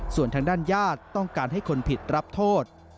ส่วนทางด้านญาติต้องการให้คนผิดรับโทษ